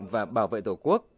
và bảo vệ tổ quốc